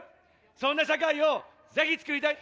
そんな社会をぜひ作りたい。